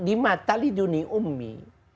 dimata li duni ummi